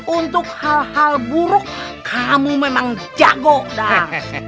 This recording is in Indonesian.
untuk hal yang bubur kamu memang jago drix